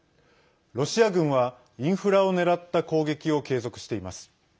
ロシア軍はインフラを狙った攻撃を継続しています。